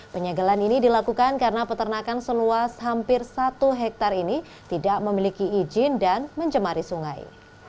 penyegelan ini dilakukan karena peternakan seluas hampir satu hektare ini tidak memiliki izin dan mencemari sungai